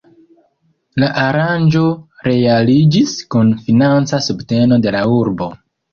La aranĝo realiĝis kun financa subteno de la urbo.